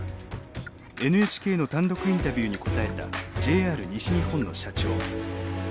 ＮＨＫの単独インタビューに答えたＪＲ西日本の社長。